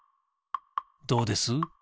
どうです？